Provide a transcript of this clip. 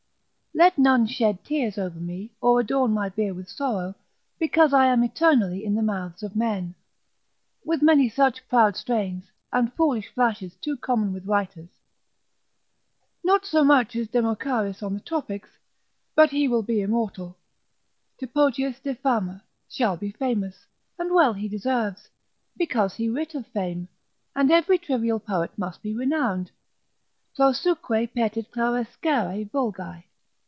Let none shed tears over me, or adorn my bier with sorrow—because I am eternally in the mouths of men. With many such proud strains, and foolish flashes too common with writers. Not so much as Democharis on the Topics, but he will be immortal. Typotius de fama, shall be famous, and well he deserves, because he writ of fame; and every trivial poet must be renowned,—Plausuque petit clarescere vulgi.